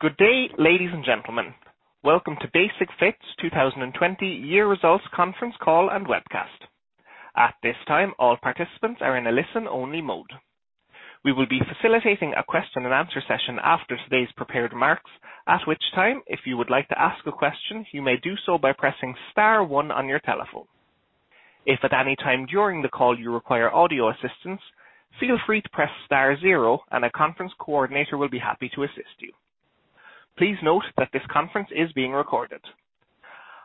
Good day, ladies and gentlemen. Welcome to Basic-Fit's 2020 year results conference call and webcast. At this time, all participants are in a listen-only mode. We will be facilitating a question and answer session after today's prepared remarks, at which time, if you would like to ask a question, you may do so by pressing star one on your telephone. If at any time during the call you require audio assistance, feel free to press star zero and a conference coordinator will be happy to assist you. Please note that this conference is being recorded.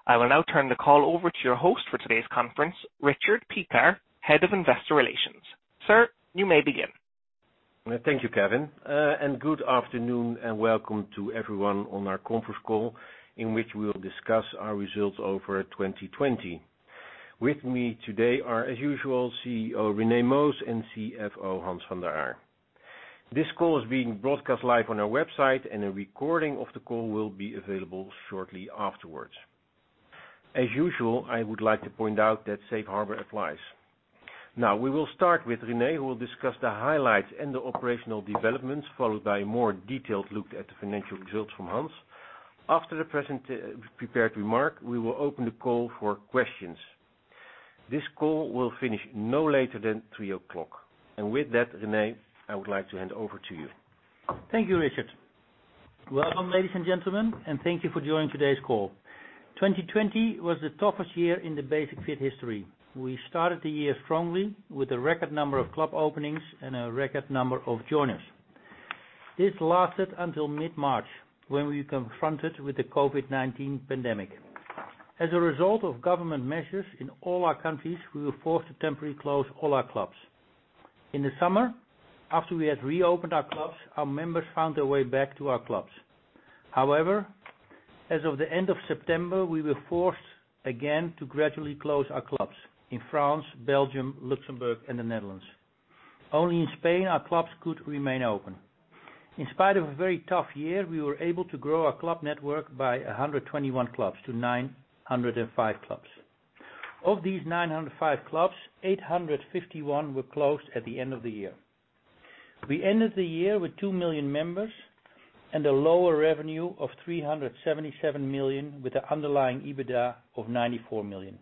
I will now turn the call over to your host for today's conference, Richard Piekaar, Head of Investor Relations. Sir, you may begin. Thank you, Kevin. Good afternoon and welcome to everyone on our conference call, in which we will discuss our results over 2020. With me today are, as usual, CEO René Moos and CFO Hans van der Aar. This call is being broadcast live on our website, and a recording of the call will be available shortly afterwards. As usual, I would like to point out that Safe Harbor applies. Now, we will start with René Moos, who will discuss the highlights and the operational developments, followed by a more detailed look at the financial results from Hans van der Aar. After the prepared remark, we will open the call for questions. This call will finish no later than 3:00 P.M. With that, René Moos, I would like to hand over to you. Thank you, Richard. Welcome, ladies and gentlemen, and thank you for joining today's call. 2020 was the toughest year in the Basic-Fit history. We started the year strongly with a record number of club openings and a record number of joiners. This lasted until mid-March, when we were confronted with the COVID-19 pandemic. As a result of government measures in all our countries, we were forced to temporarily close all our clubs. In the summer, after we had reopened our clubs, our members found their way back to our clubs. However, as of the end of September, we were forced again to gradually close our clubs in France, Belgium, Luxembourg, and the Netherlands. Only in Spain, our clubs could remain open. In spite of a very tough year, we were able to grow our club network by 121 clubs to 905 clubs. Of these 905 clubs, 851 were closed at the end of the year. We ended the year with two million members and a lower revenue of 377 million, with the underlying EBITDA of 94 million.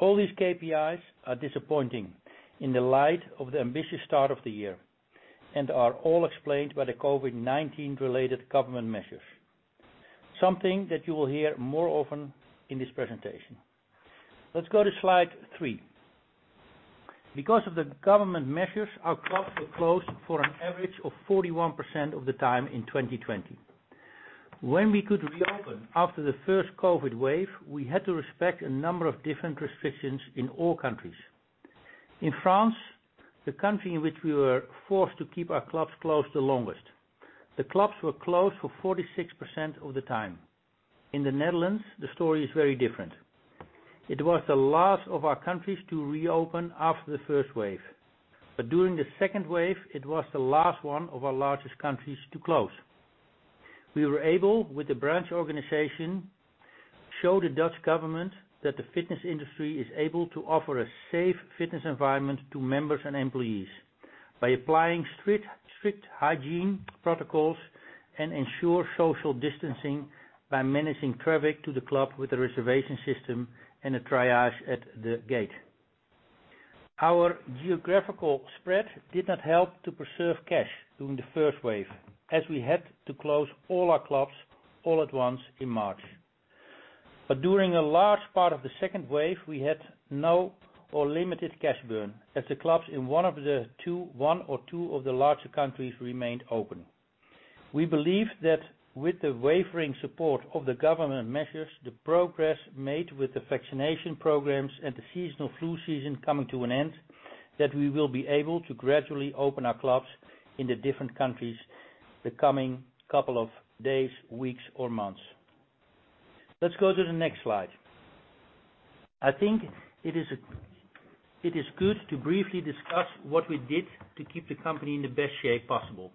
All these KPIs are disappointing in the light of the ambitious start of the year and are all explained by the COVID-19 related government measures. Something that you will hear more often in this presentation. Let's go to slide three. Because of the government measures, our clubs were closed for an average of 41% of the time in 2020. When we could reopen after the first COVID wave, we had to respect a number of different restrictions in all countries. In France, the country in which we were forced to keep our clubs closed the longest, the clubs were closed for 46% of the time. In the Netherlands, the story is very different. It was the last of our countries to reopen after the first wave. During the second wave, it was the last one of our largest countries to close. We were able, with the branch organization, show the Dutch Government that the fitness industry is able to offer a safe fitness environment to members and employees by applying strict hygiene protocols and ensure social distancing by managing traffic to the club with a reservation system and a triage at the gate. Our geographical spread did not help to preserve cash during the first wave, as we had to close all our clubs all at once in March. During a large part of the second wave, we had no or limited cash burn, as the clubs in one or two of the larger countries remained open. We believe that with the wavering support of the government measures, the progress made with the vaccination programs and the seasonal flu season coming to an end, that we will be able to gradually open our clubs in the different countries the coming couple of days, weeks, or months. Let's go to the next slide. I think it is good to briefly discuss what we did to keep the company in the best shape possible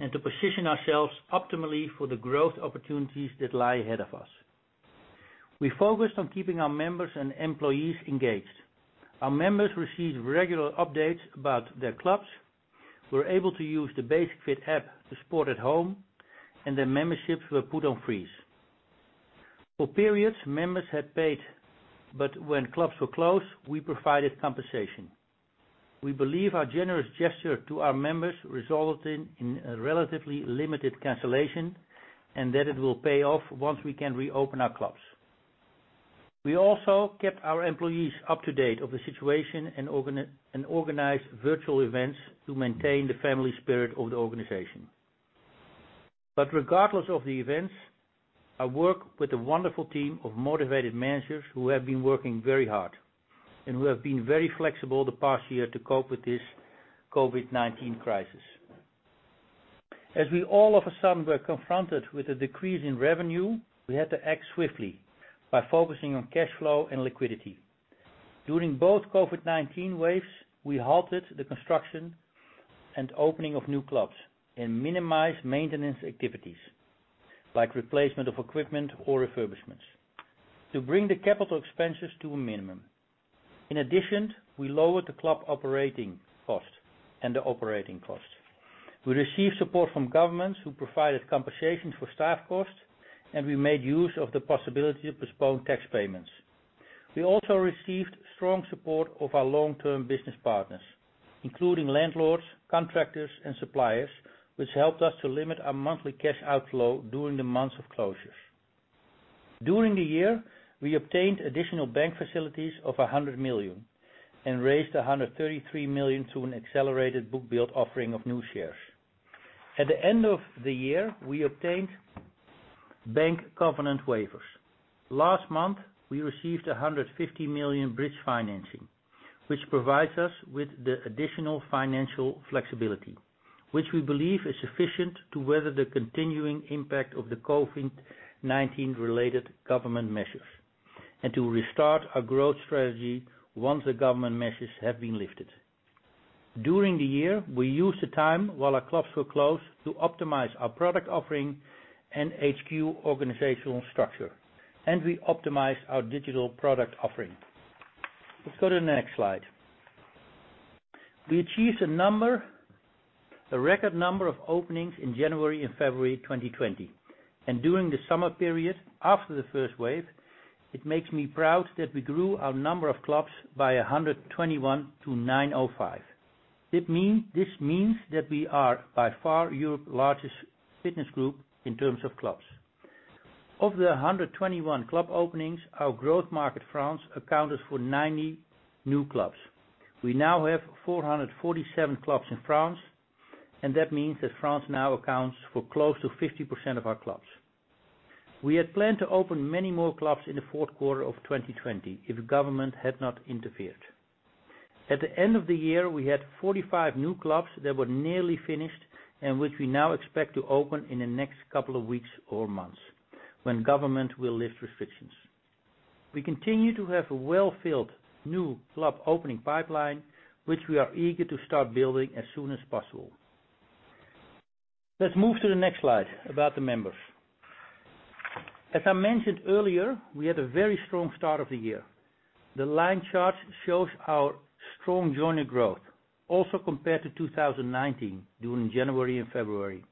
and to position ourselves optimally for the growth opportunities that lie ahead of us. We focused on keeping our members and employees engaged. Our members received regular updates about their clubs, were able to use the Basic-Fit app to sport at home, and their memberships were put on freeze. For periods, members had paid, but when clubs were closed, we provided compensation. We believe our generous gesture to our members resulted in a relatively limited cancellation, and that it will pay off once we can reopen our clubs. We also kept our employees up to date of the situation and organized virtual events to maintain the family spirit of the organization. Regardless of the events, I work with a wonderful team of motivated managers who have been working very hard and who have been very flexible the past year to cope with this COVID-19 crisis. As we all of a sudden were confronted with a decrease in revenue, we had to act swiftly by focusing on cash flow and liquidity. During both COVID-19 waves, we halted the construction and opening of new clubs and minimized maintenance activities like replacement of equipment or refurbishments to bring the CapEx to a minimum. In addition, we lowered the club operating cost. We received support from governments who provided compensation for staff costs. We made use of the possibility to postpone tax payments. We also received strong support of our long-term business partners, including landlords, contractors, and suppliers, which helped us to limit our monthly cash outflow during the months of closures. During the year, we obtained additional bank facilities of 100 million and raised 133 million to an accelerated book build offering of new shares. At the end of the year, we obtained bank covenant waivers. Last month, we received 150 million bridge financing, which provides us with the additional financial flexibility, which we believe is sufficient to weather the continuing impact of the COVID-19 related government measures and to restart our growth strategy once the government measures have been lifted. During the year, we used the time while our clubs were closed to optimize our product offering and HQ organizational structure, and we optimized our digital product offering. Let's go to the next slide. We achieved a record number of openings in January and February 2020, and during the summer period after the first wave, it makes me proud that we grew our number of clubs by 121-905. This means that we are by far Europe largest fitness group in terms of clubs. Of the 121 club openings, our growth market, France, accounted for 90 new clubs. We now have 447 clubs in France, and that means that France now accounts for close to 50% of our clubs. We had planned to open many more clubs in the fourth quarter of 2020 if the government had not interfered. At the end of the year, we had 45 new clubs that were nearly finished and which we now expect to open in the next couple of weeks or months, when government will lift restrictions. We continue to have a well-filled new club opening pipeline, which we are eager to start building as soon as possible. Let's move to the next slide about the members. As I mentioned earlier, we had a very strong start of the year. The line chart shows our strong joiner growth, also compared to 2019 during January and February.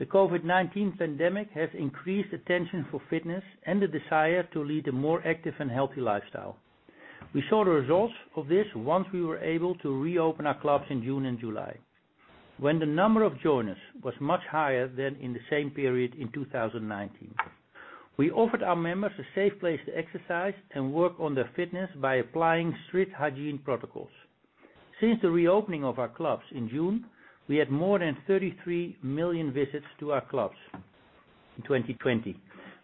The COVID-19 pandemic has increased attention for fitness and the desire to lead a more active and healthy lifestyle. We saw the results of this once we were able to reopen our clubs in June and July, when the number of joiners was much higher than in the same period in 2019. We offered our members a safe place to exercise and work on their fitness by applying strict hygiene protocols. Since the reopening of our clubs in June, we had more than 33 million visits to our clubs in 2020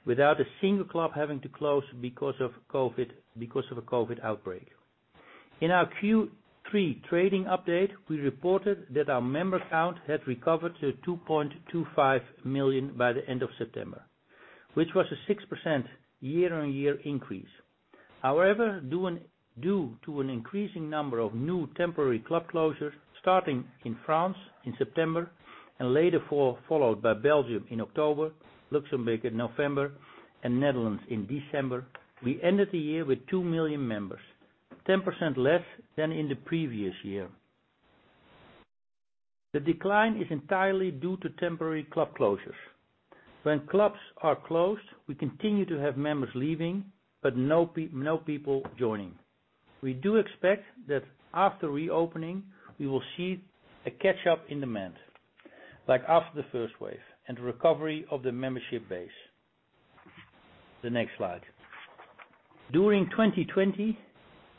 without a single club having to close because of a COVID outbreak. In our Q3 trading update, we reported that our member count had recovered to 2.25 million by the end of September, which was a 6% year-on-year increase. However, due to an increasing number of new temporary club closures starting in France in September and later followed by Belgium in October, Luxembourg in November, and Netherlands in December, we ended the year with two million members, 10% less than in the previous year. The decline is entirely due to temporary club closures. When clubs are closed, we continue to have members leaving, but no people joining. We do expect that after reopening, we will see a catch-up in demand, like after the first wave, and recovery of the membership base. The next slide. During 2020,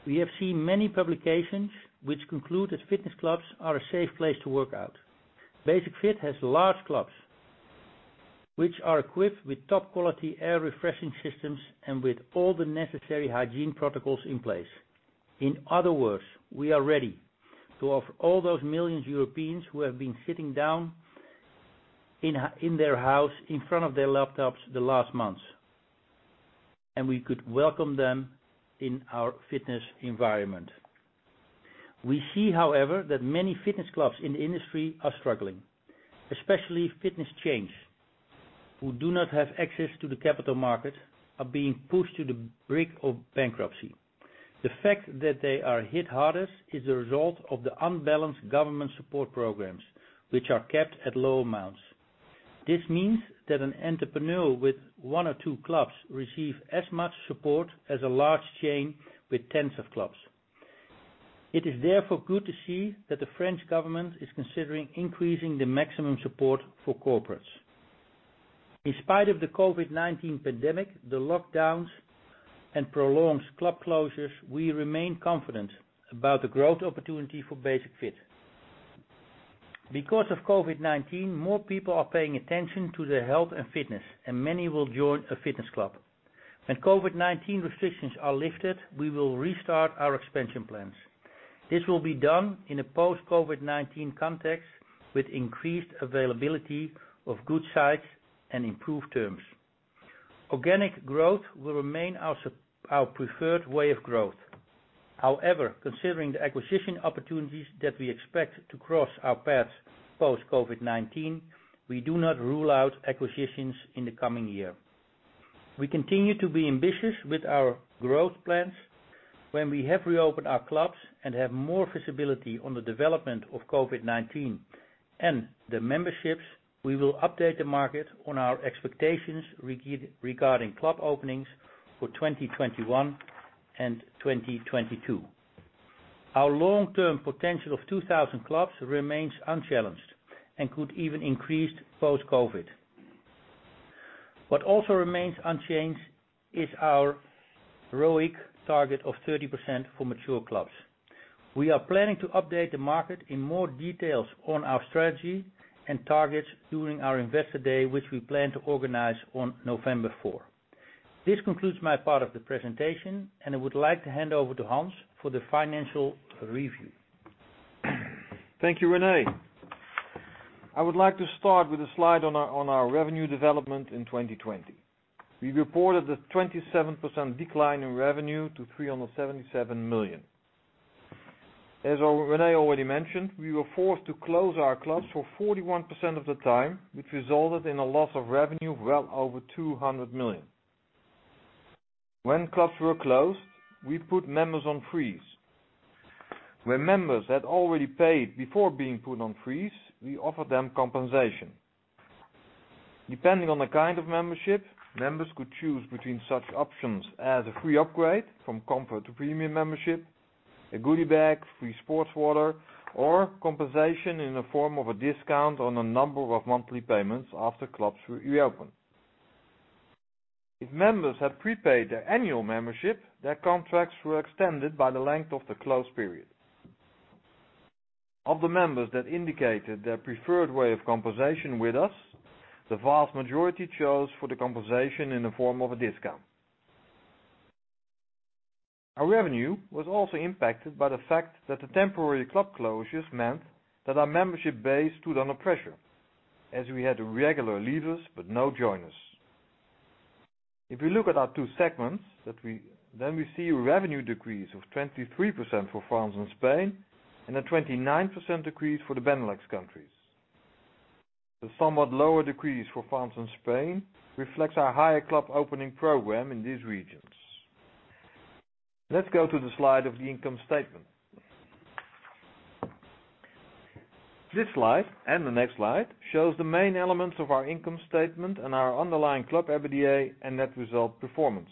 we have seen many publications which conclude that fitness clubs are a safe place to work out. Basic-Fit has large clubs which are equipped with top quality air refreshing systems and with all the necessary hygiene protocols in place. In other words, we are ready to offer all those millions Europeans who have been sitting down in their house in front of their laptops the last months, and we could welcome them in our fitness environment. We see, however, that many fitness clubs in the industry are struggling. Especially fitness chains who do not have access to the capital market are being pushed to the brink of bankruptcy. The fact that they are hit hardest is the result of the unbalanced government support programs, which are capped at low amounts. This means that an entrepreneur with one or two clubs receive as much support as a large chain with tens of clubs. It is therefore good to see that the French government is considering increasing the maximum support for corporates. In spite of the COVID-19 pandemic, the lockdowns, and prolonged club closures, we remain confident about the growth opportunity for Basic-Fit. Because of COVID-19, more people are paying attention to their health and fitness, and many will join a fitness club. When COVID-19 restrictions are lifted, we will restart our expansion plans. This will be done in a post-COVID-19 context with increased availability of good sites and improved terms. Organic growth will remain our preferred way of growth. However, considering the acquisition opportunities that we expect to cross our paths post-COVID-19, we do not rule out acquisitions in the coming year. We continue to be ambitious with our growth plans. When we have reopened our clubs and have more visibility on the development of COVID-19 and the memberships, we will update the market on our expectations regarding club openings for 2021 and 2022. Our long-term potential of 2,000 clubs remains unchallenged and could even increase post-COVID-19. What also remains unchanged is our ROIC target of 30% for mature clubs. We are planning to update the market in more details on our strategy and targets during our Investor Day, which we plan to organize on November 4. This concludes my part of the presentation, and I would like to hand over to Hans van der Aar for the financial review. Thank you, René. I would like to start with a slide on our revenue development in 2020. We reported a 27% decline in revenue to 377 million. As René already mentioned, we were forced to close our clubs for 41% of the time, which resulted in a loss of revenue well over 200 million. When clubs were closed, we put members on freeze. Where members had already paid before being put on freeze, we offered them compensation. Depending on the kind of membership, members could choose between such options as a free upgrade from Comfort to Premium membership, a goodie bag, free sports water, or compensation in the form of a discount on a number of monthly payments after clubs reopen. If members have prepaid their annual membership, their contracts were extended by the length of the closed period. Of the members that indicated their preferred way of compensation with us, the vast majority chose for the compensation in the form of a discount. Our revenue was also impacted by the fact that the temporary club closures meant that our membership base stood under pressure, as we had regular leavers, but no joiners. If you look at our two segments, then we see a revenue decrease of 23% for France and Spain, and a 29% decrease for the Benelux countries. The somewhat lower decrease for France and Spain reflects our higher club opening program in these regions. Let's go to the slide of the income statement. This slide and the next slide shows the main elements of our income statement and our underlying club EBITDA and net result performance.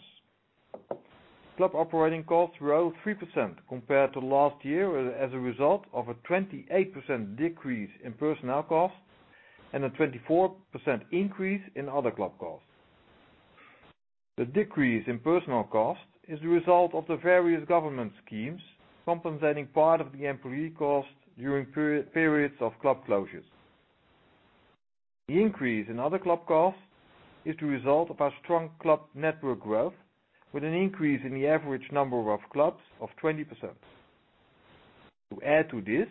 Club operating costs rose 3% compared to last year as a result of a 28% decrease in personnel costs and a 24% increase in other club costs. The decrease in personnel cost is the result of the various government schemes compensating part of the employee cost during periods of club closures. The increase in other club costs is the result of our strong club network growth, with an increase in the average number of clubs of 20%. To add to this,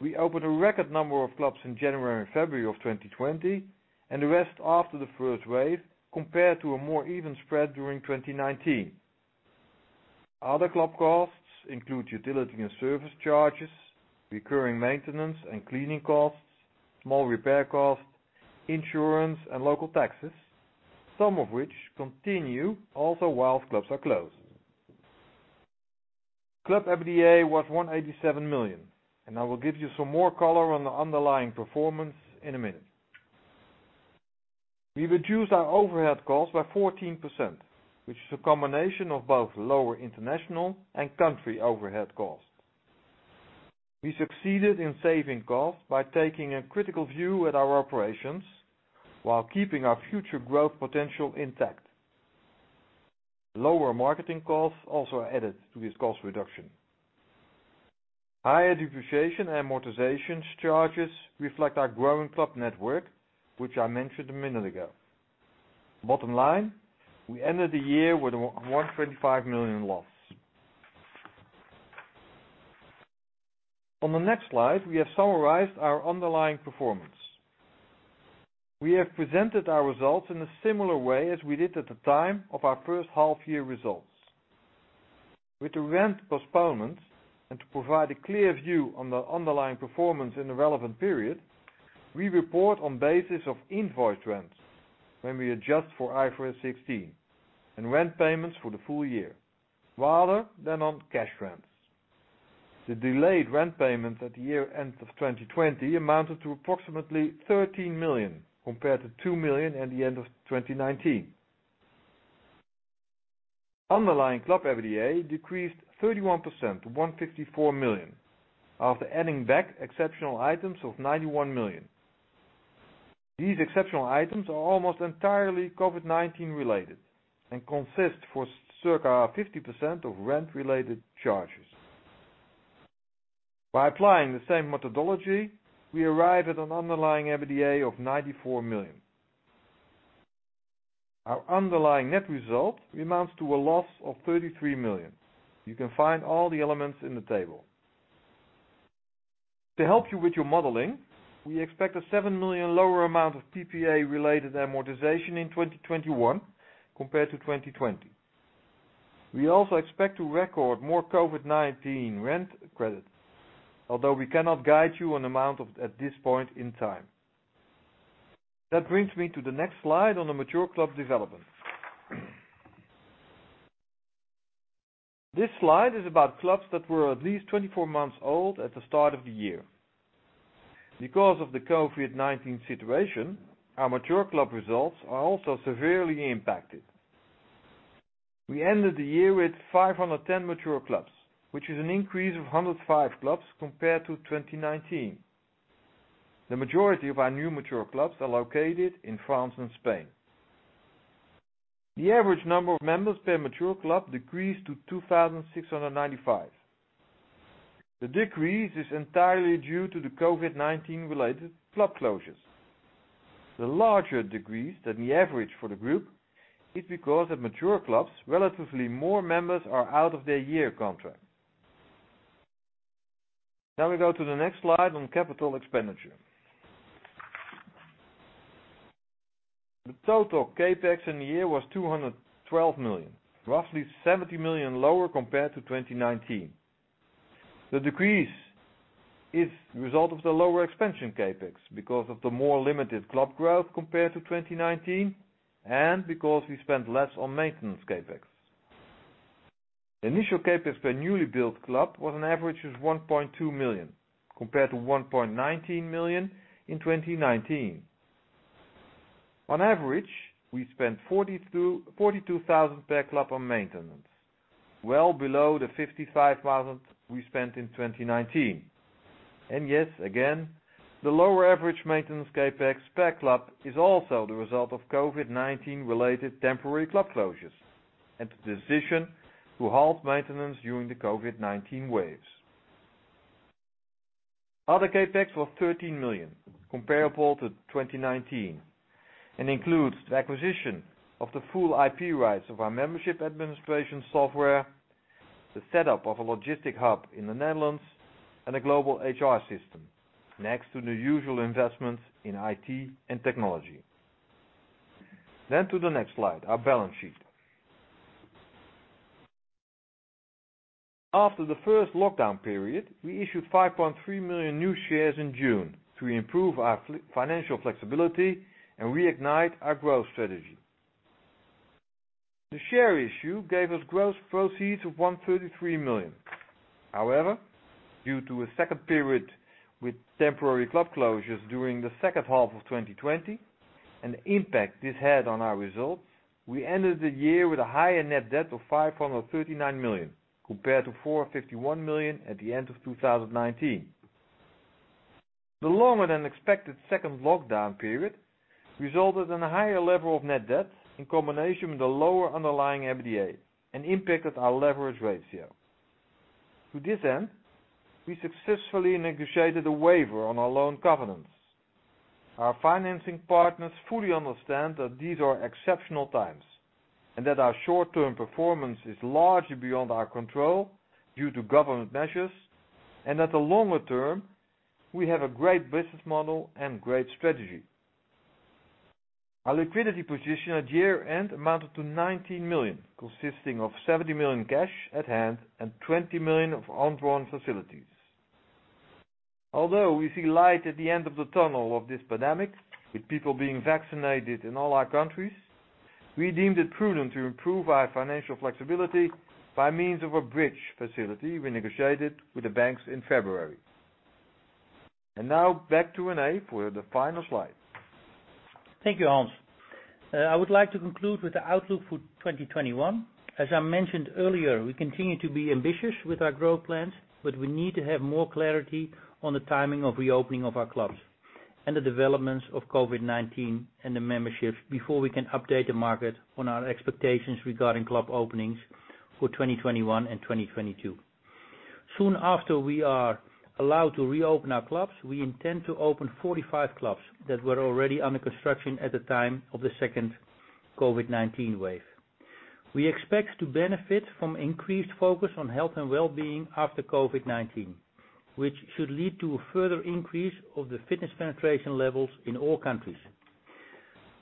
we opened a record number of clubs in January and February of 2020, and the rest after the first wave, compared to a more even spread during 2019. Other club costs include utility and service charges, recurring maintenance and cleaning costs, small repair costs, insurance, and local taxes, some of which continue also while clubs are closed. Club EBITDA was 187 million, and I will give you some more color on the underlying performance in a minute. We reduced our overhead costs by 14%, which is a combination of both lower international and country overhead costs. We succeeded in saving costs by taking a critical view at our operations while keeping our future growth potential intact. Lower marketing costs also added to this cost reduction. Higher depreciation and amortizations charges reflect our growing club network, which I mentioned a minute ago. Bottom line, we ended the year with a 125 million loss. On the next slide, we have summarized our underlying performance. We have presented our results in a similar way as we did at the time of our first half year results. With the rent postponements and to provide a clear view on the underlying performance in the relevant period, we report on basis of invoice rents when we adjust for IFRS 16 and rent payments for the full year, rather than on cash rents. The delayed rent payments at the year end of 2020 amounted to approximately 13 million, compared to 2 million at the end of 2019. Underlying club EBITDA decreased 31% to 154 million after adding back exceptional items of 91 million. These exceptional items are almost entirely COVID-19 related and consist for circa 50% of rent related charges. By applying the same methodology, we arrive at an underlying EBITDA of 94 million. Our underlying net result amounts to a loss of 33 million. You can find all the elements in the table. To help you with your modeling, we expect a 7 million lower amount of PPA related amortization in 2021 compared to 2020. We also expect to record more COVID-19 rent credit, although we cannot guide you on amount at this point in time. That brings me to the next slide on the mature club development. This slide is about clubs that were at least 24 months old at the start of the year. Because of the COVID-19 situation, our mature club results are also severely impacted. We ended the year with 510 mature clubs, which is an increase of 105 clubs compared to 2019. The majority of our new mature clubs are located in France and Spain. The average number of members per mature club decreased to 2,695. The decrease is entirely due to the COVID-19 related club closures. The larger decrease than the average for the group is because at mature clubs, relatively more members are out of their year contract. Now we go to the next slide on capital expenditure. The total CapEx in the year was 212 million, roughly 70 million lower compared to 2019. The decrease is the result of the lower expansion CapEx because of the more limited club growth compared to 2019, and because we spent less on maintenance CapEx. The initial CapEx per newly built club was an average of 1.2 million, compared to 1.19 million in 2019. On average, we spent 42,000 per club on maintenance, well below the 55,000 we spent in 2019. Yes, again, the lower average maintenance CapEx per club is also the result of COVID-19 related temporary club closures and the decision to halt maintenance during the COVID-19 waves. Other CapEx was 13 million, comparable to 2019, and includes the acquisition of the full IP rights of our membership administration software, the setup of a logistic hub in the Netherlands, and a global HR system, next to the usual investments in IT and technology. To the next slide, our balance sheet. After the first lockdown period, we issued 5.3 million new shares in June to improve our financial flexibility and reignite our growth strategy. The share issue gave us gross proceeds of 133 million. However, due to a second period with temporary club closures during the second half of 2020 and the impact this had on our results, we ended the year with a higher net debt of 539 million compared to 451 million at the end of 2019. The longer than expected second lockdown period resulted in a higher level of net debt in combination with a lower underlying EBITDA and impacted our leverage ratio. To this end, we successfully negotiated a waiver on our loan covenants. Our financing partners fully understand that these are exceptional times and that our short-term performance is largely beyond our control due to government measures, and at the longer term, we have a great business model and great strategy. Our liquidity position at year-end amounted to 90 million, consisting of 70 million cash at hand and 20 million of undrawn facilities. Although we see light at the end of the tunnel of this pandemic, with people being vaccinated in all our countries, we deemed it prudent to improve our financial flexibility by means of a bridge facility we negotiated with the banks in February. Now back to René for the final slide. Thank you, Hans van der Aar. I would like to conclude with the outlook for 2021. As I mentioned earlier, we continue to be ambitious with our growth plans, but we need to have more clarity on the timing of reopening of our clubs and the developments of COVID-19 and the memberships before we can update the market on our expectations regarding club openings for 2021 and 2022. Soon after we are allowed to reopen our clubs, we intend to open 45 clubs that were already under construction at the time of the second COVID-19 wave. We expect to benefit from increased focus on health and well-being after COVID-19, which should lead to a further increase of the fitness penetration levels in all countries.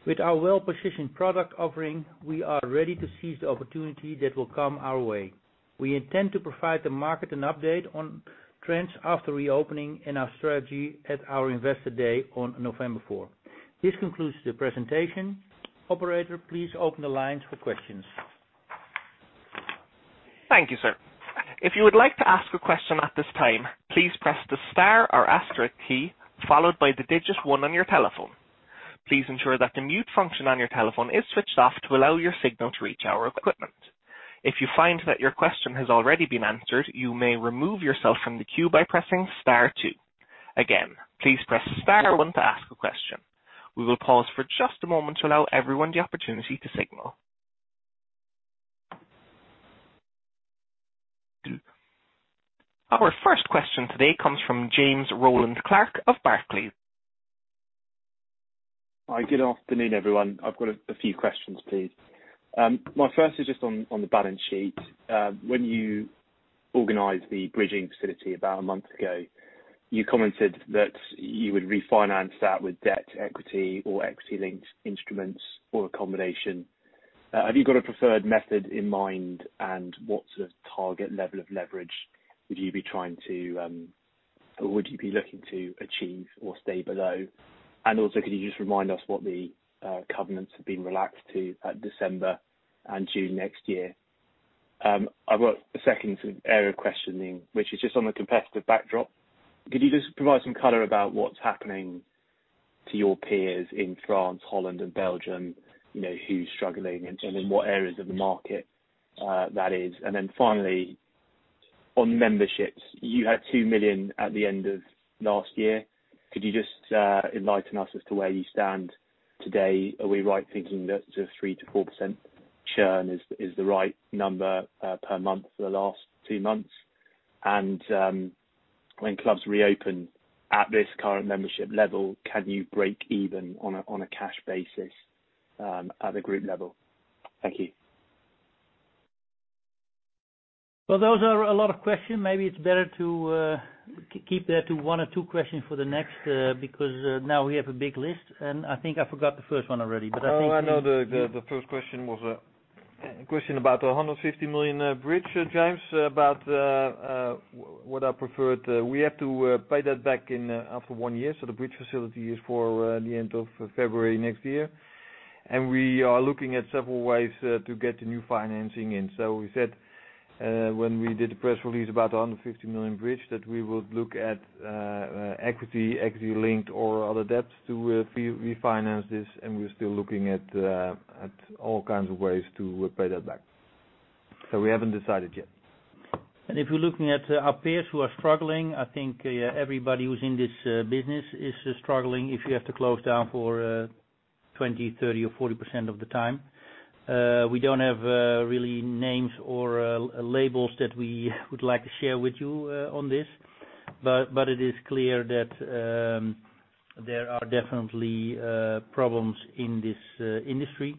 With our well-positioned product offering, we are ready to seize the opportunity that will come our way. We intend to provide the market an update on trends after reopening and our strategy at our Investor Day on November 4. This concludes the presentation. Operator, please open the lines for questions. Thank you, sir. If you would like to ask a question at this time, please press the star or asterisk key, followed by the digit one on your telephone. Please ensure that the mute function on your telephone is switched off to allow your signal to reach our equipment. If you find that your question has already been answered, you may remove yourself from the queue by pressing star two. Again, please press star one to ask a question. We will pause for just a moment to allow everyone the opportunity to signal. Our first question today comes from James Rowland Clark of Barclays. Hi, good afternoon, everyone. I've got a few questions, please. My first is just on the balance sheet. When you Organize the bridging facility about a month ago. You commented that you would refinance that with debt, equity or equity linked instruments or a combination. Have you got a preferred method in mind and what sort of target level of leverage would you be looking to achieve or stay below? Also, could you just remind us what the covenants have been relaxed to at December and June next year? I've got a second area of questioning, which is just on the competitive backdrop. Could you just provide some color about what's happening to your peers in France, Holland and Belgium? Who's struggling and in what areas of the market that is? Then finally, on memberships, you had two million at the end of last year. Could you just enlighten us as to where you stand today? Are we right thinking that the 3%-4% churn is the right number per month for the last two months? When clubs reopen at this current membership level, can you break even on a cash basis at the group level? Thank you. Well, those are a lot of questions. Maybe it's better to keep that to one or two questions for the next, because now we have a big list, and I think I forgot the first one already, but I think. I know the first question was a question about the 150 million bridge, James, about what I preferred. We have to pay that back after one year. The bridge facility is for the end of February next year. We are looking at several ways to get the new financing in. We said when we did the press release about 150 million bridge, that we would look at equity linked or other debts to refinance this, and we're still looking at all kinds of ways to pay that back. We haven't decided yet. if you're looking at our peers who are struggling, I think everybody who's in this business is struggling if you have to close down for 20%, 30% or 40% of the time. We don't have really names or labels that we would like to share with you on this. it is clear that there are definitely problems in this industry.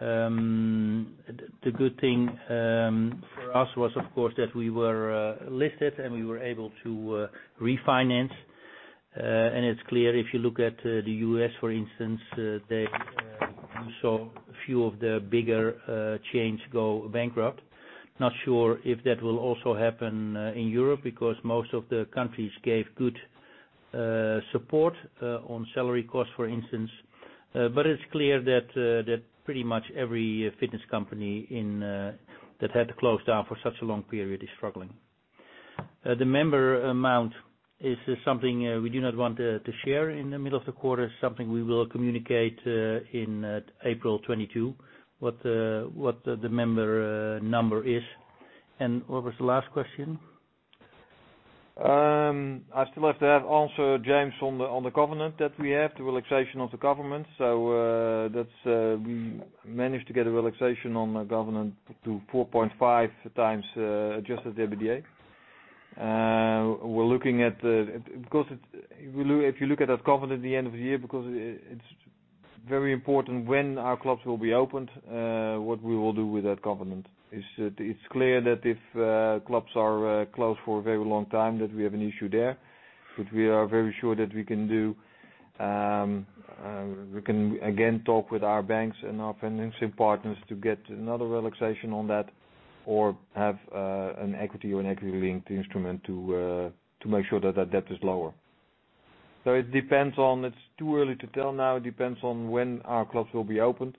The good thing for us was of course, that we were listed and we were able to refinance. it's clear if you look at the U.S., for instance, you saw a few of the bigger chains go bankrupt. Not sure if that will also happen in Europe because most of the countries gave good support on salary costs, for instance. it's clear that pretty much every fitness company that had to close down for such a long period is struggling. The member amount is something we do not want to share in the middle of the quarter. Something we will communicate in April 22, what the member number is. What was the last question? I still have to have answer, James, on the covenant that we have, the relaxation of the covenant. We managed to get a relaxation on the covenant to 4.5x adjusted EBITDA. If you look at that covenant at the end of the year, because it's very important when our clubs will be opened, what we will do with that covenant. It's clear that if clubs are closed for a very long time, that we have an issue there. We are very sure that we can do. We can again talk with our banks and our financing partners to get another relaxation on that or have an equity or an equity linked instrument to make sure that that debt is lower. It depends on. It's too early to tell now. It depends on when our clubs will be opened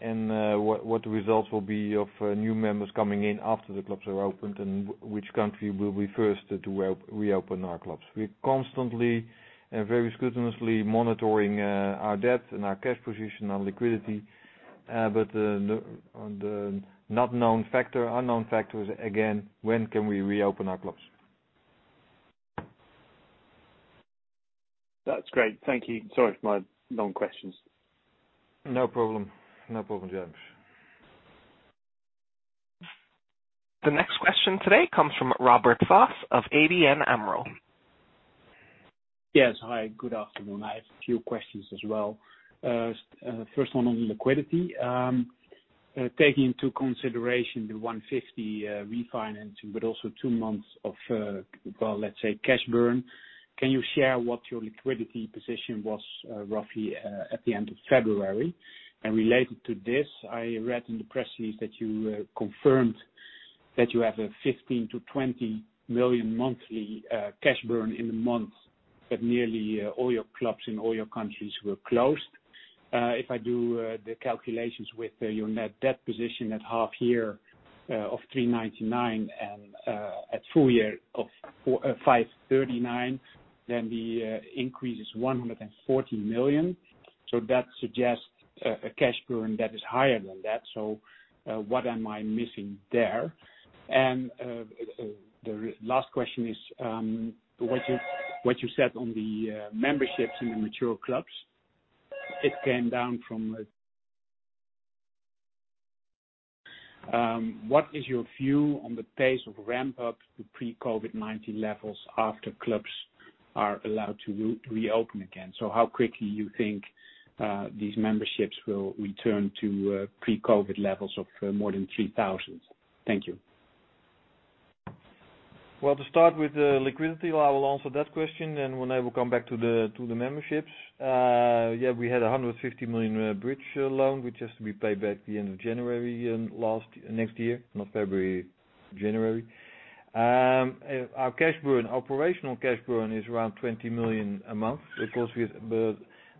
and what the results will be of new members coming in after the clubs are opened and which country will be first to reopen our clubs. We're constantly and very scrutinously monitoring our debt and our cash position, our liquidity. The unknown factor is, again, when can we reopen our clubs? That's great. Thank you. Sorry for my long questions. No problem. No problem, James. The next question today comes from Robert Jan Vos of ABN AMRO. Yes. Hi, good afternoon. I have a few questions as well. First one on liquidity. Taking into consideration the 150 million refinancing, but also two months of, well, let's say cash burn, can you share what your liquidity position was roughly at the end of February? Related to this, I read in the press release that you confirmed that you have a 15 million-20 million monthly cash burn in the month that nearly all your clubs in all your countries were closed. If I do the calculations with your net debt position at half year of 399 million and at full year of 539 million, then the increase is 140 million. That suggests a cash burn that is higher than that. What am I missing there? The last question is what you said on the memberships in the mature clubs. It came down from What is your view on the pace of ramp up to pre-COVID-19 levels after clubs are allowed to reopen again. How quickly you think these memberships will return to pre-COVID levels of more than 3,000? Thank you. Well, to start with the liquidity, I will answer that question, and when I will come back to the memberships. We had 150 million bridge loan, which has to be paid back the end of January next year. Not February, January. Our operational cash burn is around 20 million a month.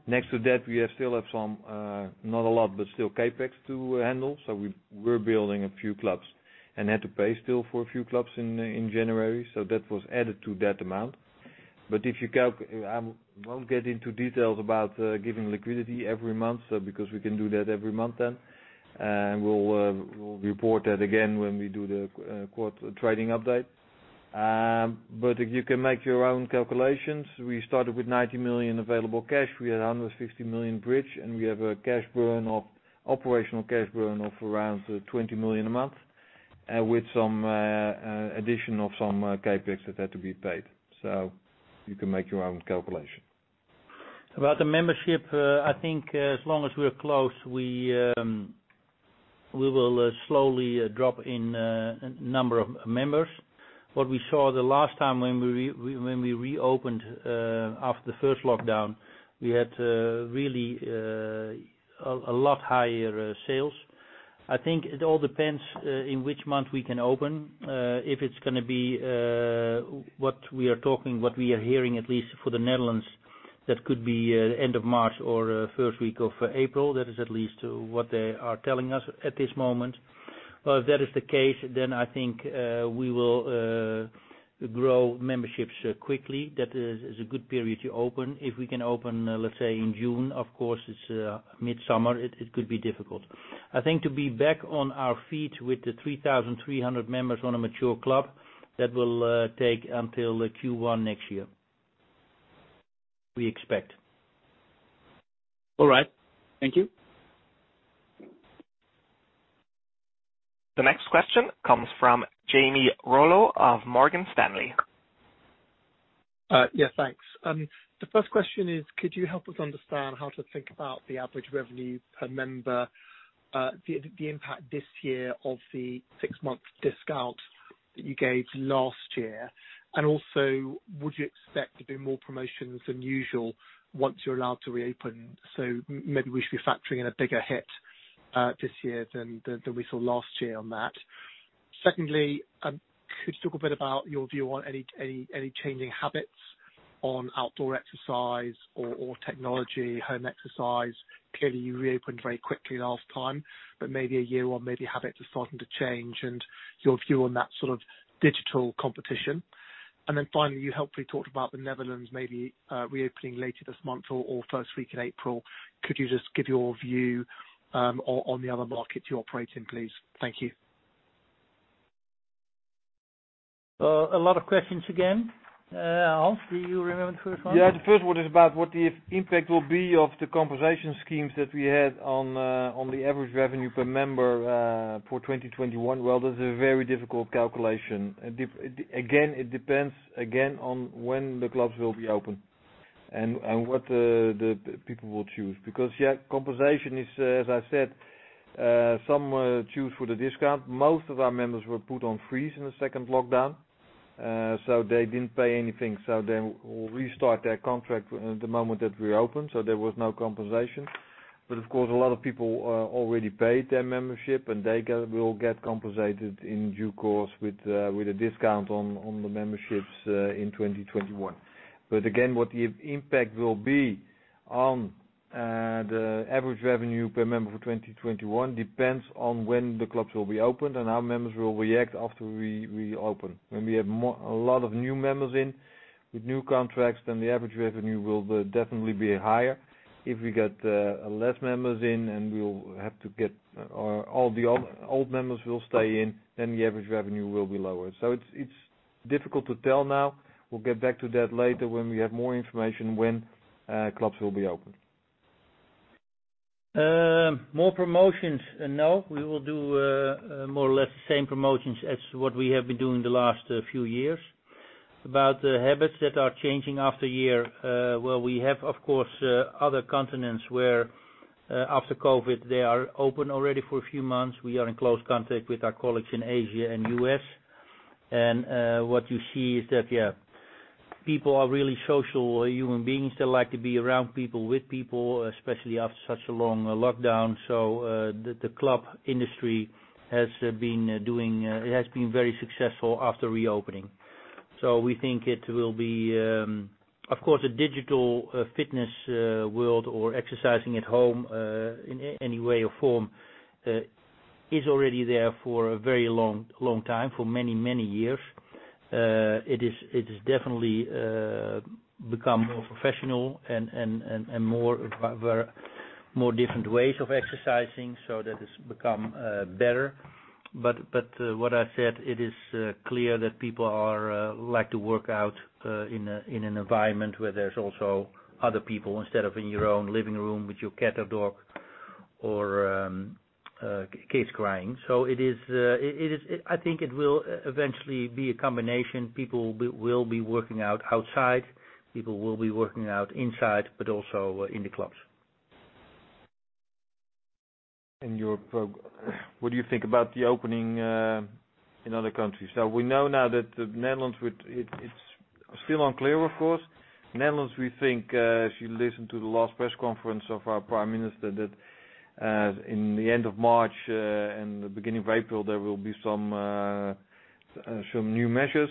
Next to that, we still have some, not a lot, but still CapEx to handle. We're building a few clubs and had to pay still for a few clubs in January. That was added to that amount. I won't get into details about giving liquidity every month, because we can do that every month then. We'll report that again when we do the trading update. You can make your own calculations. We started with 90 million available cash. We had 150 million bridge, and we have operational cash burn of around 20 million a month with some addition of some CapEx that had to be paid. You can make your own calculation. About the membership, I think as long as we are closed, we will slowly drop in number of members. What we saw the last time when we reopened after the first lockdown, we had really a lot higher sales. I think it all depends in which month we can open. If it's going to be what we are hearing, at least for the Netherlands, that could be end of March or first week of April. That is at least what they are telling us at this moment. Well, if that is the case, then I think we will grow memberships quickly. That is a good period to open. If we can open, let's say in June, of course, it's midsummer, it could be difficult. I think to be back on our feet with the 3,300 members on a mature club, that will take until Q1 next year, we expect. All right. Thank you. The next question comes from Jamie Rollo of Morgan Stanley. Yes, thanks. The first question is, could you help us understand how to think about the average revenue per member, the impact this year of the six-month discount that you gave last year? Also, would you expect to do more promotions than usual once you're allowed to reopen? Maybe we should be factoring in a bigger hit this year than we saw last year on that. Secondly, could you talk a bit about your view on any changing habits on outdoor exercise or technology, home exercise? Clearly, you reopened very quickly last time, but maybe a year on, maybe habits are starting to change and your view on that sort of digital competition. Finally, you helpfully talked about the Netherlands maybe reopening later this month or first week in April. Could you just give your view on the other markets you operate in, please? Thank you. A lot of questions again. Hans van der Aar, do you remember the first one? The first one is about what the impact will be of the compensation schemes that we had on the average revenue per member for 2021. Well, that's a very difficult calculation. Again, it depends on when the clubs will be open and what the people will choose. Compensation is, as I said, some choose for the discount. Most of our members were put on freeze in the second lockdown. They didn't pay anything. They will restart their contract the moment that we open, so there was no compensation. Of course, a lot of people already paid their membership, and they will get compensated in due course with a discount on the memberships in 2021. Again, what the impact will be on the average revenue per member for 2021 depends on when the clubs will be opened and how members will react after we open. When we have a lot of new members in with new contracts, then the average revenue will definitely be higher. If we get less members in and all the old members will stay in, then the average revenue will be lower. It's difficult to tell now. We'll get back to that later when we have more information when clubs will be open. More promotions. No. We will do more or less the same promotions as what we have been doing the last few years. About the habits that are changing after a year. Well, we have, of course, other continents where after COVID, they are open already for a few months. We are in close contact with our colleagues in Asia and U.S. What you see is that, yeah, people are really social human beings. They like to be around people, with people, especially after such a long lockdown. The club industry has been very successful after reopening. We think it will be. Of course, a digital fitness world or exercising at home in any way or form is already there for a very long time, for many, many years. It has definitely become more professional and more different ways of exercising. That has become better. what I said, it is clear that people like to work out in an environment where there's also other people instead of in your own living room with your cat or dog. Of course growing. I think it will eventually be a combination. People will be working out outside, people will be working out inside, but also in the clubs. What do you think about the opening in other countries? We know now that the Netherlands, it's still unclear, of course. Netherlands, we think, if you listen to the last press conference of our prime minister, that in the end of March, and the beginning of April, there will be some new measures,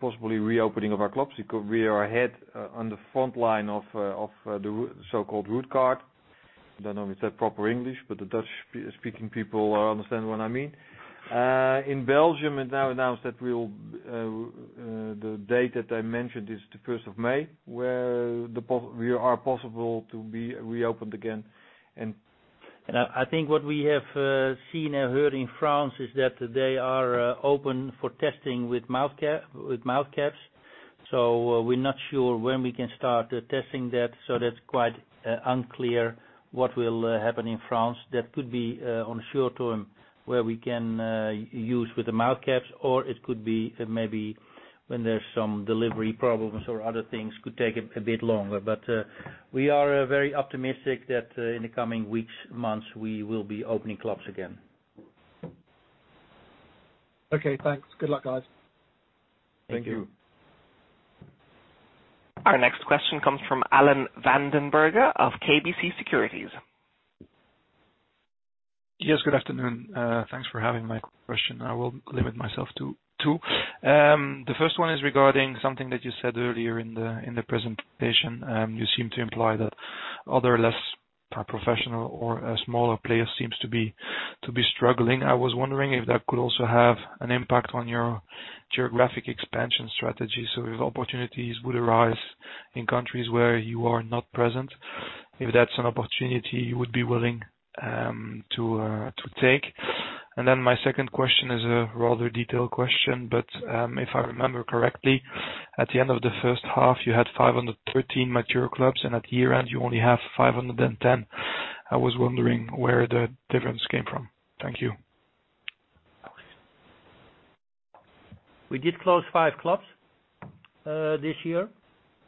possibly reopening of our clubs. Because we are ahead on the front line of the so-called route card. I don't know if it's proper English, but the Dutch-speaking people understand what I mean. In Belgium, it now announced that the date that I mentioned is the 1st of May, where we are possible to be reopened again and- I think what we have seen and heard in France is that they are open for testing with mouth caps. we're not sure when we can start testing that. that's quite unclear what will happen in France. That could be on a short term where we can use with the mouth caps, or it could be maybe when there's some delivery problems or other things could take a bit longer. we are very optimistic that in the coming weeks, months, we will be opening clubs again. Okay, thanks. Good luck, guys. Thank you. Thank you. Our next question comes from Alan Vandenberghe of KBC Securities. Yes, good afternoon. Thanks for having my question. I will limit myself to two. The first one is regarding something that you said earlier in the presentation. You seem to imply that other less professional or smaller players seems to be struggling. I was wondering if that could also have an impact on your geographic expansion strategy. If opportunities would arise in countries where you are not present, if that's an opportunity you would be willing to take. My second question is a rather detailed question, but if I remember correctly, at the end of the first half, you had 513 mature clubs, and at year end you only have 510 mature clubs. I was wondering where the difference came from. Thank you. We did close five clubs this year.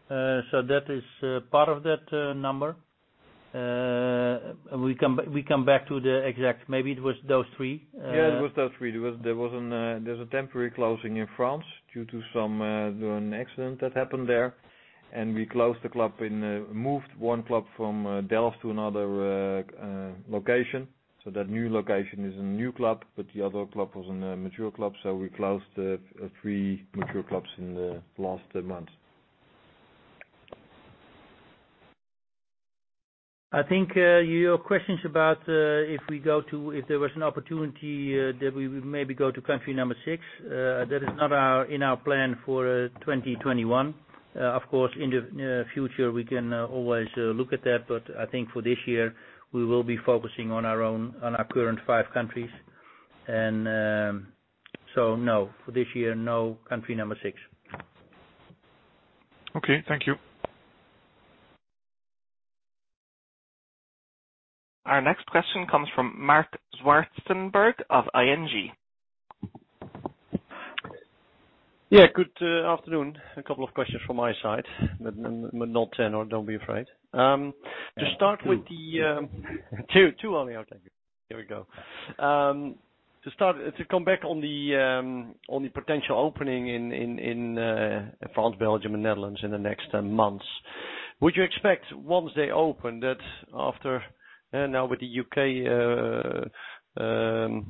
That is part of that number. We come back to the exact, maybe it was those three. Yeah, it was those three. There was a temporary closing in France due to an accident that happened there, and we moved one club from Delft to another location. That new location is a new club, but the other club was a mature club. We closed three mature clubs in the last month. I think your questions about if there was an opportunity that we maybe go to country number six. That is not in our plan for 2021. Of course, in the future, we can always look at that. I think for this year, we will be focusing on our current five countries. No. For this year, no country number six. Okay, thank you. Our next question comes from Marc Zwartsenburg of ING. Yeah, good afternoon. A couple of questions from my side, but not 10. Don't be afraid. To start with the- Two. Two only. Okay. There we go. To come back on the potential opening in France, Belgium and Netherlands in the next months. Would you expect, once they open, that after, now with the U.K.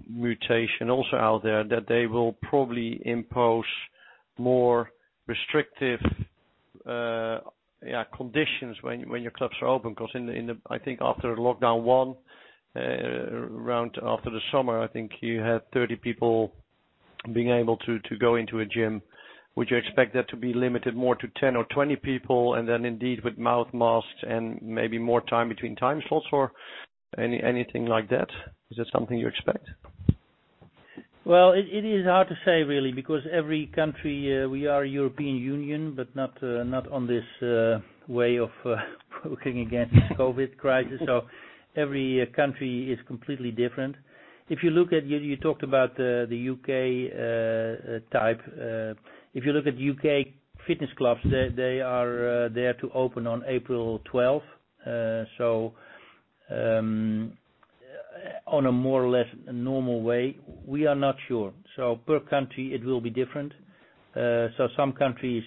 mutation also out there, that they will probably impose more restrictive conditions when your clubs are open? Because I think after lockdown one, around after the summer, I think you had 30 people being able to go into a gym. Would you expect that to be limited more to 10 or 20 people and then indeed with mouth masks and maybe more time between time slots or anything like that? Is that something you expect? Well, it is hard to say, really, because every country, we are a European Union, but not on this way of working against this COVID crisis. Every country is completely different. You talked about the U.K. type. If you look at U.K. fitness clubs, they are there to open on April 12th. On a more or less normal way. We are not sure. Per country it will be different. Some countries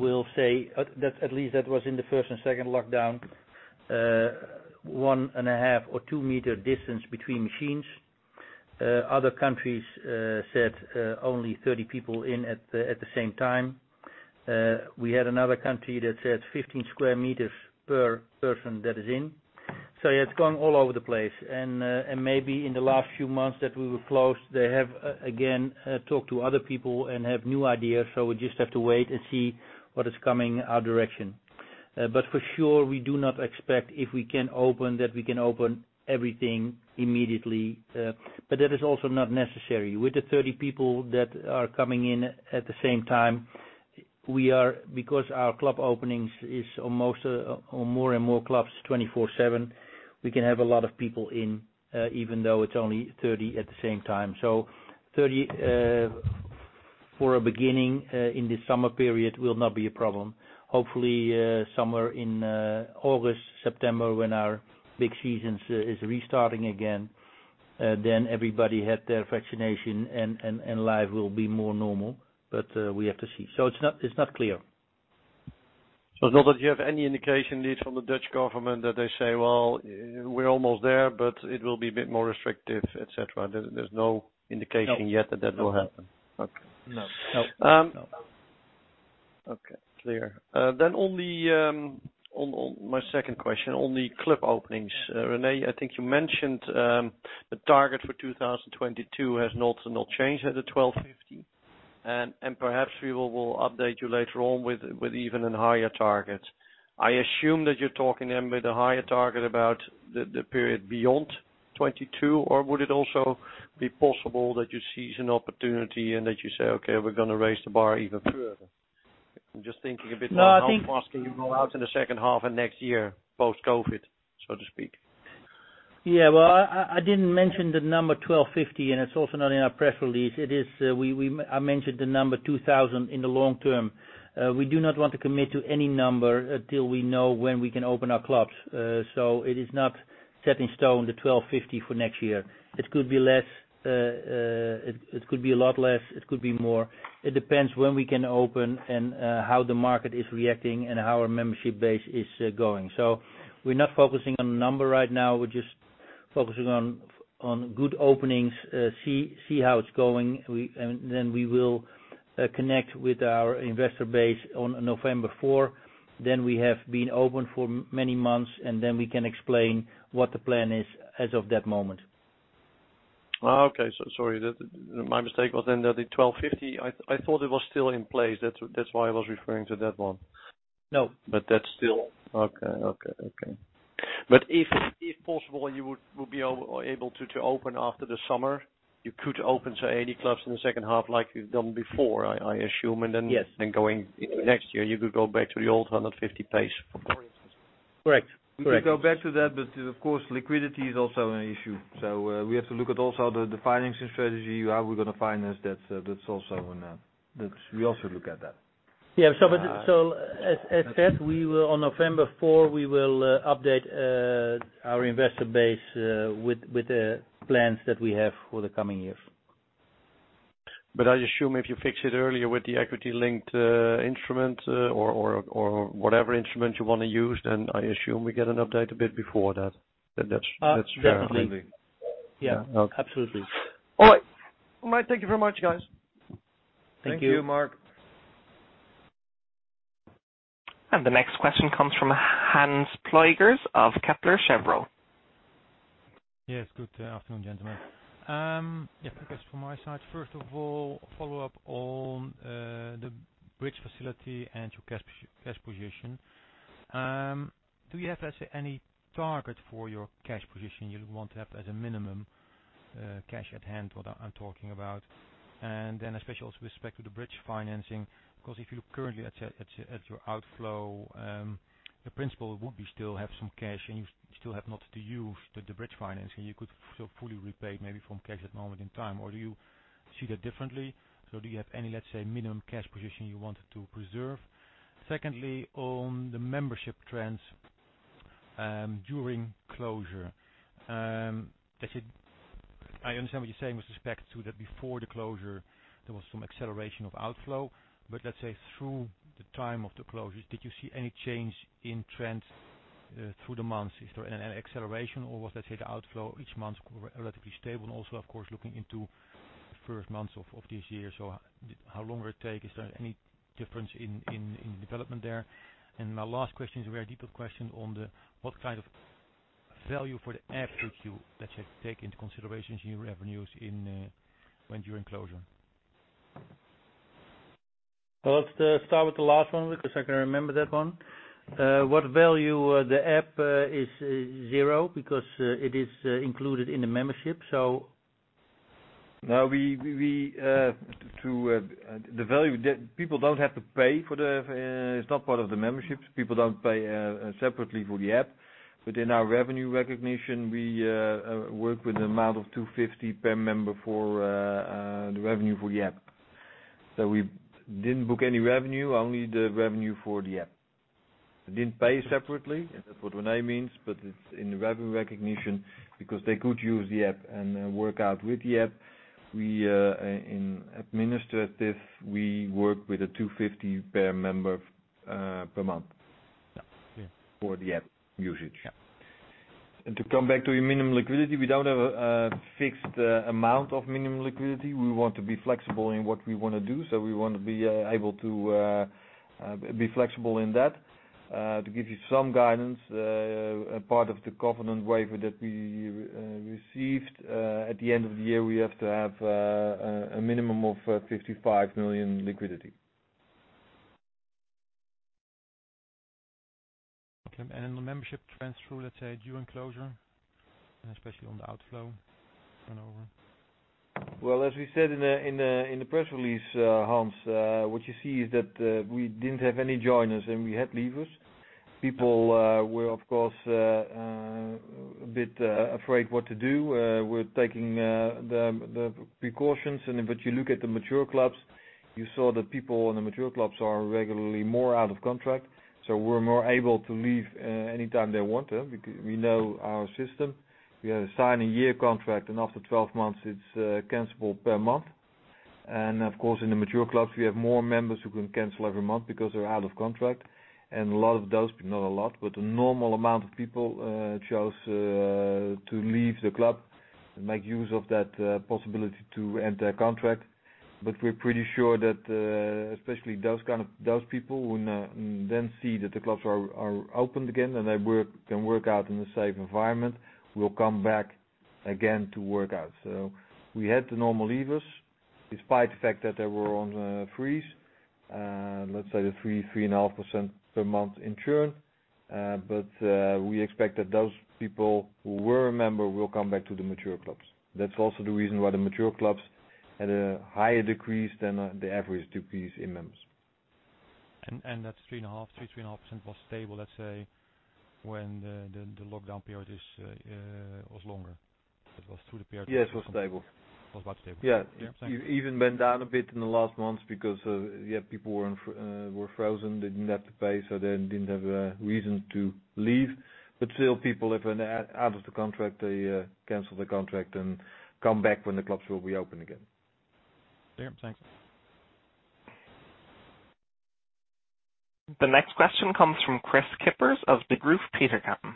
will say, at least that was in the first and second lockdown, one and a half or two meter distance between machines. Other countries said only 30 people in at the same time. We had another country that said 15 square meters per person that is in. It's gone all over the place. maybe in the last few months that we were closed, they have again talked to other people and have new ideas. We just have to wait and see what is coming our direction. For sure, we do not expect if we can open, that we can open everything immediately. That is also not necessary. With the 30 people that are coming in at the same time because our club openings is on more and more clubs 24/7, we can have a lot of people in, even though it's only 30 at the same time. 30 for a beginning in the summer period will not be a problem. Hopefully, somewhere in August, September when our big seasons is restarting again, then everybody had their vaccination and life will be more normal, but we have to see. It's not clear. It's not that you have any indication indeed from the Dutch government that they say, "Well, we're almost there, but it will be a bit more restrictive," et cetera. There's no indication yet- No that will happen. Okay. No. Okay, clear. On my second question on the club openings. René, I think you mentioned the target for 2022 has not changed at the 1250. Perhaps we will update you later on with even a higher target. I assume that you're talking then with a higher target about the period beyond 2022, or would it also be possible that you seize an opportunity and that you say, "Okay, we're going to raise the bar even further." I'm just thinking a bit more- No, I think how fast can you go out in the second half of next year, post-COVID, so to speak. Yeah. Well, I didn't mention the number 1,250, and it's also not in our press release. I mentioned the number 2,000 in the long term. We do not want to commit to any number until we know when we can open our clubs. It is not set in stone, the 1,250 for next year. It could be less. It could be a lot less. It could be more. It depends when we can open and how the market is reacting and how our membership base is going. We're not focusing on a number right now. We're just focusing on good openings, see how it's going, and then we will connect with our investor base on November 4. We have been open for many months, and then we can explain what the plan is as of that moment. Okay. Sorry. My mistake was then that the 1,250, I thought it was still in place. That's why I was referring to that one. No. Okay. If possible, you would be able to open after the summer, you could open, say, 80 clubs in the second half like you've done before, I assume? Yes. Going into next year, you could go back to the old 150 pace. Correct. We could go back to that, but of course, liquidity is also an issue. We have to look at also the financing strategy, how we're going to finance that. We also look at that. Yeah. As said, on November 4, we will update our investor base with the plans that we have for the coming years. I assume if you fix it earlier with the equity-linked instrument or whatever instrument you want to use, then I assume we get an update a bit before that. That that's fair. Definitely. Absolutely. Yeah. Absolutely. All right. Thank you very much, guys. Thank you. Thank you, Marc. The next question comes from Hans Pluijgers of Kepler Cheuvreux. Yes. Good afternoon, gentlemen. Two questions from my side. First of all, a follow-up on the bridge facility and your cash position. Do you have, let's say, any target for your cash position you want to have as a minimum, cash at hand, what I'm talking about? Especially also with respect to the bridge financing, because if you look currently at your outflow, the principle would be still have some cash and you still have not to use the bridge financing. You could fully repay maybe from cash at moment in time. Do you see that differently? Do you have any, let's say, minimum cash position you wanted to preserve? Secondly, on the membership trends during closure. I understand what you're saying with respect to that before the closure, there was some acceleration of outflow. Let's say through the time of the closure, did you see any change in trends through the months? Is there an acceleration or was, let's say, the outflow each month relatively stable? Also, of course, looking into the first months of this year. How long will it take? Is there any difference in the development there? My last question is a very deeper question on what kind of value for the app did you, let's say, take into consideration in your revenues during closure? Well, let's start with the last one, because I can remember that one. What value? The app is zero because it is included in the membership. No. People don't have to pay for the app. It's not part of the membership. People don't pay separately for the app. In our revenue recognition, we work with an amount of 2.50 per member for the revenue for the app. We didn't book any revenue, only the revenue for the app. They didn't pay separately, that's what René means, but it's in the revenue recognition because they could use the app and work out with the app. In administrative, we work with a 2.50 per member per month. Yeah for the app usage. Yeah. To come back to your minimum liquidity, we don't have a fixed amount of minimum liquidity. We want to be flexible in what we want to do. we want to be able to be flexible in that. To give you some guidance, a part of the covenant waiver that we received, at the end of the year, we have to have a minimum of 55 million liquidity. Okay. the membership trends through, let's say, during closure, especially on the outflow and over. Well, as we said in the press release, Hans Pluijgers, what you see is that we didn't have any joiners and we had leavers. People were, of course, a bit afraid what to do with taking the precautions. You look at the mature clubs, you saw that people in the mature clubs are regularly more out of contract. Were more able to leave anytime they want to. We know our system. We sign a year contract, and after 12 months it's cancelable per month. Of course, in the mature clubs, we have more members who can cancel every month because they're out of contract. A lot of those, not a lot, but a normal amount of people chose to leave the club and make use of that possibility to end their contract. We're pretty sure that especially those people who then see that the clubs are opened again and they can work out in a safe environment, will come back again to work out. We had the normal leavers, despite the fact that they were on a freeze. Let's say the 3.5% per month in churn. We expect that those people who were a member will come back to the mature clubs. That's also the reason why the mature clubs had a higher decrease than the average decrease in members. That 3.5% was stable, let's say, when the lockdown period was longer. It was through the period. Yes, it was stable. Was about stable. Yeah. Yeah. Thank you. Even been down a bit in the last months because people were frozen. They didn't have to pay, so they didn't have a reason to leave. still people, if they're out of the contract, they cancel the contract and come back when the clubs will be open again. Yeah. Thanks. The next question comes from Kris Kippers of Degroof Petercam.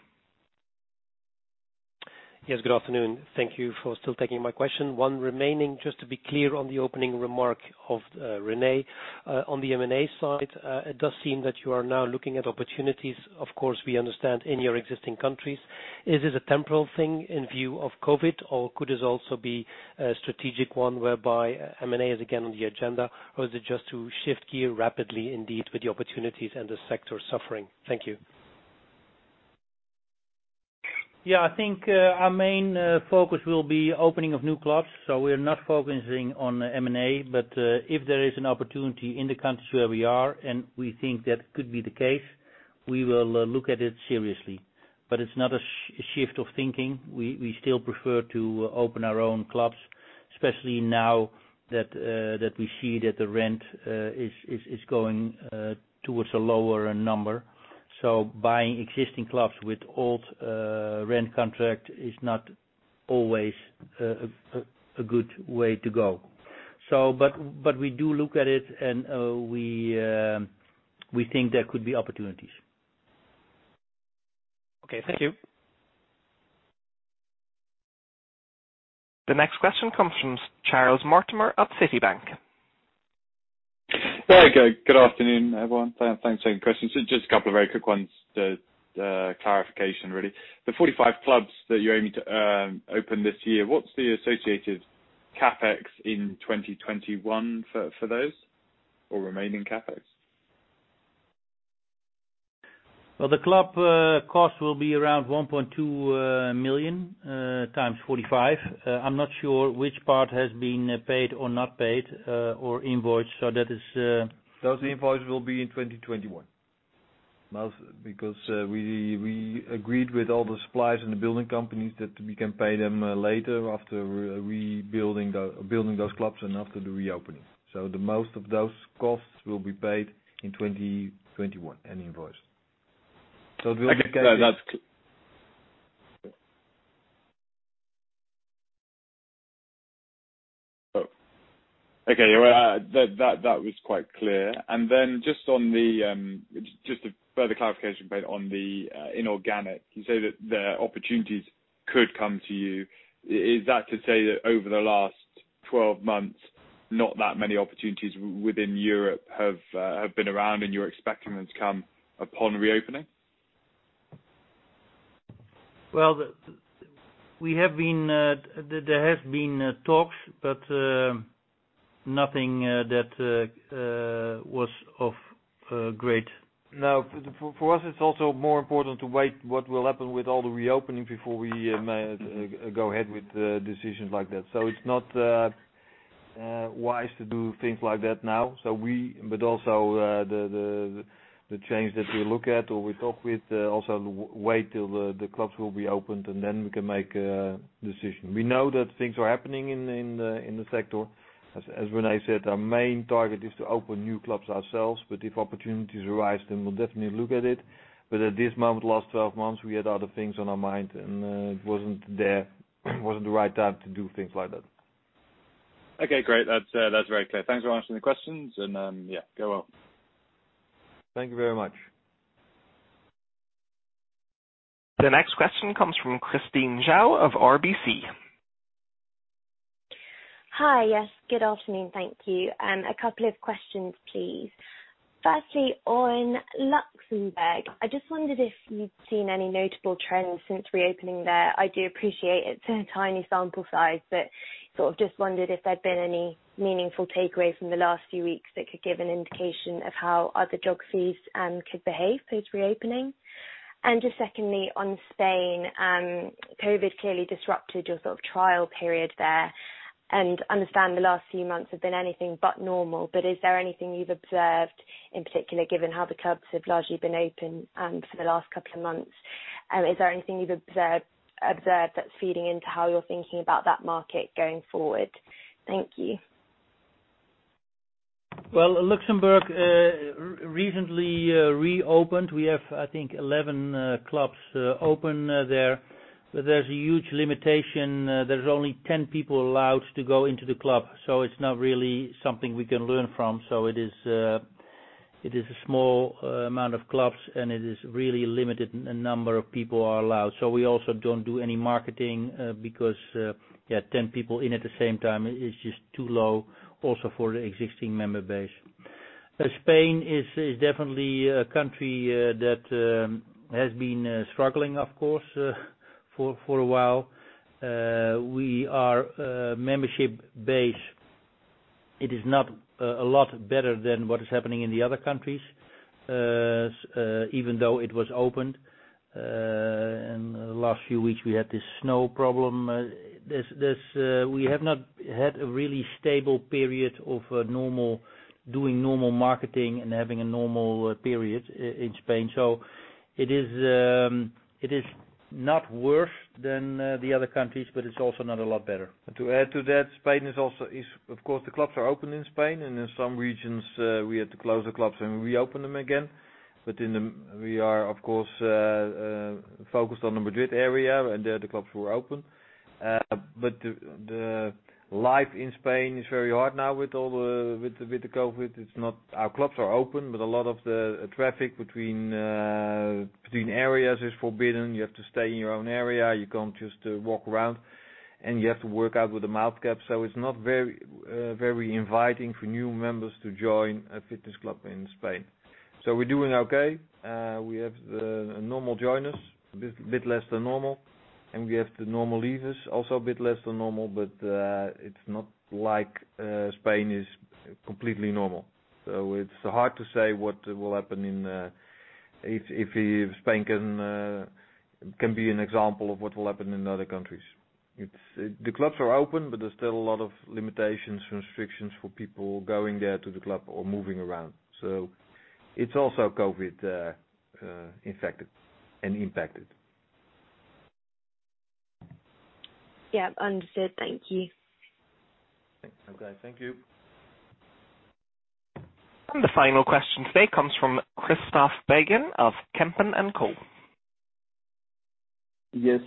Yes, good afternoon. Thank you for still taking my question. One remaining, just to be clear on the opening remark of René. On the M&A side, it does seem that you are now looking at opportunities, of course, we understand, in your existing countries. Is it a temporal thing in view of COVID, or could this also be a strategic one whereby M&A is again on the agenda? Is it just to shift gear rapidly indeed with the opportunities and the sector suffering? Thank you. Yeah, I think our main focus will be opening of new clubs. We're not focusing on M&A, but if there is an opportunity in the countries where we are and we think that could be the case, we will look at it seriously. It's not a shift of thinking. We still prefer to open our own clubs, especially now that we see that the rent is going towards a lower number. Buying existing clubs with old rent contract is not always a good way to go. We do look at it, and we think there could be opportunities. Okay. Thank you. The next question comes from Charles Mortimer at Citi. There we go. Good afternoon, everyone. Thanks for taking the question. Just a couple of very quick ones. Just clarification, really. The 45 clubs that you're aiming to open this year, what's the associated CapEx in 2021 for those or remaining CapEx? Well, the club cost will be around 1.2 million times 45. I'm not sure which part has been paid or not paid or invoiced. that is- Those invoices will be in 2021. Because we agreed with all the suppliers and the building companies that we can pay them later after building those clubs and after the reopening. The most of those costs will be paid in 2021 and invoiced. It will be- Okay. That was quite clear. Just a further clarification point on the inorganic. You say that the opportunities could come to you. Is that to say that over the last 12 months, not that many opportunities within Europe have been around and you're expecting them to come upon reopening? Well, there have been talks, but nothing that was of great. Now, for us, it's also more important to wait what will happen with all the reopening before we go ahead with decisions like that. It's not wise to do things like that now. Also the change that we look at or we talk with also wait till the clubs will be opened and then we can make a decision. We know that things are happening in the sector. As René said, our main target is to open new clubs ourselves, but if opportunities arise, then we'll definitely look at it. At this moment, last 12 months, we had other things on our mind, and it wasn't the right time to do things like that. Okay, great. That's very clear. Thanks for answering the questions, and yeah, go well. Thank you very much. The next question comes from Christine Zhou of RBC. Hi. Yes, good afternoon. Thank you. A couple of questions, please. Firstly, on Luxembourg, I just wondered if you'd seen any notable trends since reopening there. I do appreciate it's a tiny sample size, but sort of just wondered if there'd been any meaningful takeaway from the last few weeks that could give an indication of how other geos could behave post reopening. Just secondly, on Spain, COVID clearly disrupted your trial period there. I understand the last few months have been anything but normal, but is there anything you've observed, in particular, given how the clubs have largely been open for the last couple of months? Is there anything you've observed that's feeding into how you're thinking about that market going forward? Thank you. Well, Luxembourg recently reopened. We have, I think, 11 clubs open there. There's a huge limitation. There's only 10 people allowed to go into the club. It's not really something we can learn from. It is a small amount of clubs, and it is really limited number of people are allowed. We also don't do any marketing, because, yeah, 10 people in at the same time is just too low, also for the existing member base. Spain is definitely a country that has been struggling, of course, for a while. Our membership base, it is not a lot better than what is happening in the other countries, even though it was opened. In the last few weeks, we had this snow problem. We have not had a really stable period of doing normal marketing and having a normal period in Spain. It is not worse than the other countries, but it's also not a lot better. To add to that, Spain is also of course, the clubs are open in Spain, and in some regions we had to close the clubs and reopen them again. We are of course focused on the Madrid area, and there the clubs were open. The life in Spain is very hard now with the COVID. Our clubs are open, but a lot of the traffic between areas is forbidden. You have to stay in your own area. You can't just walk around, and you have to work out with a mouth guard. It's not very inviting for new members to join a fitness club in Spain. We're doing okay. We have normal joiners, a bit less than normal, and we have the normal leavers, also a bit less than normal, but it's not like Spain is completely normal. it's hard to say what will happen if Spain can be an example of what will happen in other countries. The clubs are open, but there's still a lot of limitations, restrictions for people going there to the club or moving around. it's also COVID infected and impacted. Yeah. Understood. Thank you. Okay. Thank you. The final question today comes from Christophe Beghin of Kempen & Co. Yes.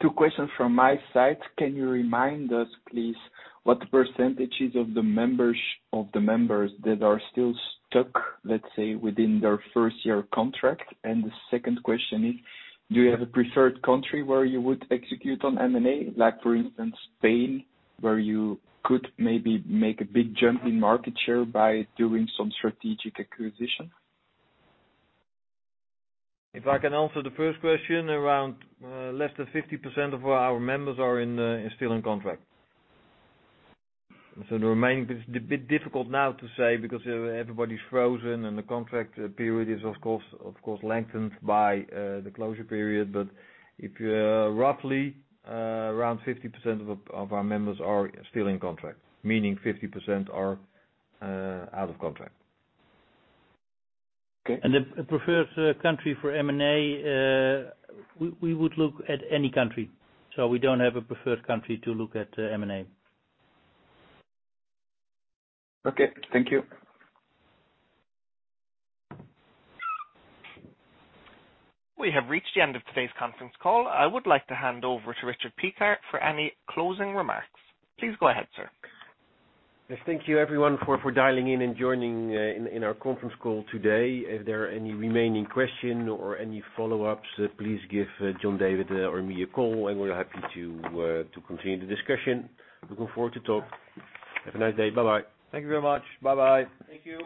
Two questions from my side. Can you remind us, please, what percentages of the members that are still stuck, let's say, within their first year contract? The second question is, do you have a preferred country where you would execute on M&A, like for instance, Spain, where you could maybe make a big jump in market share by doing some strategic acquisition? If I can answer the first question, around less than 50% of our members are still in contract. The remaining, it's a bit difficult now to say because everybody's frozen and the contract period is of course lengthened by the closure period. Roughly, around 50% of our members are still in contract, meaning 50% are out of contract. Okay. The preferred country for M&A, we would look at any country. We don't have a preferred country to look at M&A. Okay. Thank you. We have reached the end of today's conference call. I would like to hand over to Richard Piekaar for any closing remarks. Please go ahead, sir. Yes. Thank you everyone for dialing in and joining in our conference call today. If there are any remaining question or any follow-ups, please give John David or me a call and we're happy to continue the discussion. Looking forward to talk. Have a nice day. Bye-bye. Thank you very much. Bye-bye. Thank you.